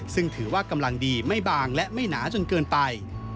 ซึ่งถือว่ากำลังดีไม่บางและไม่หนาจนเกินไป